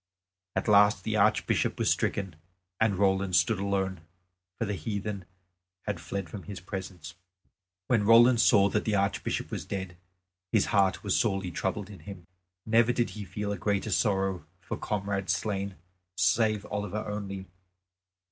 At last the Archbishop was stricken and Roland stood alone, for the heathen had fled from his presence. When Roland saw that the Archbishop was dead, his heart was sorely troubled in him. Never did he feel a greater sorrow for comrade slain, save Oliver only.